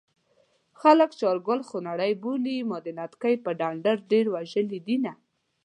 خلک چارګل خونړی بولي ما د نتکۍ په ډنډر ډېر وژلي دينه